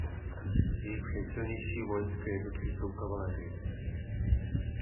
Jejich nejsilnější vojenské jednotky jsou kavalerie.